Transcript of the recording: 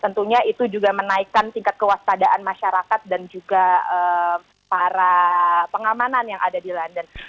tentunya itu juga menaikkan tingkat kewaspadaan masyarakat dan juga para pengamanan yang ada di london